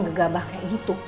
gegabah kayak gitu